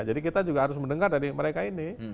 jadi kita juga harus mendengar dari mereka ini